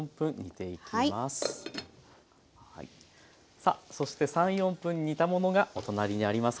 さあそして３４分煮たものがお隣にあります。